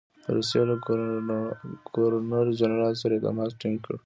د روسیې له ګورنر جنرال سره یې تماس ټینګ کړ.